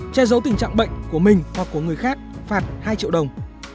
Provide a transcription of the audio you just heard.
che giấu tình trạng bệnh của mình hoặc của người khác phạt hai triệu đồng